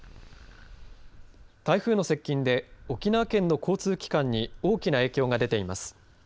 台風の接近で沖縄県の交通機関に大きな影響が出ています。